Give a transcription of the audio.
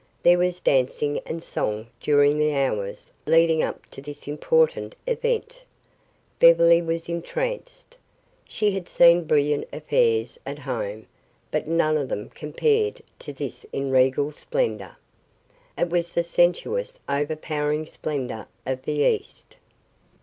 There was dancing and song during the hours leading up to this important event. Beverly was entranced. She had seen brilliant affairs at home, but none of them compared to this in regal splendor. It was the sensuous, overpowering splendor of the east.